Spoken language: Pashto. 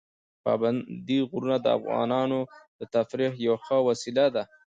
پابندي غرونه د افغانانو د تفریح یوه ښه وسیله ده.